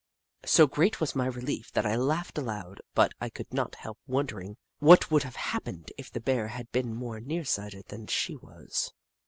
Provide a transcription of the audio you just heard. So great was my relief that I laughed aloud, but I could not help wondering what would have happened if the Bear had been more near sio hted than she was.